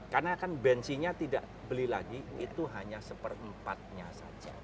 karena kan bensinnya tidak beli lagi itu hanya seperempatnya saja